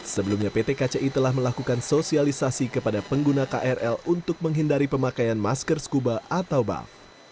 sebelumnya pt kci telah melakukan sosialisasi kepada pengguna krl untuk menghindari pemakaian masker scuba atau buff